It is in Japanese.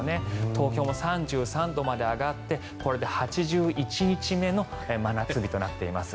東京も３３度まで上がってこれで８１日目の真夏日となっています。